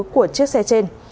của chiếc xe trên